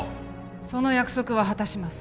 その約束は果たします